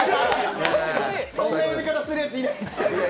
そんな呼び方するやついないですよ。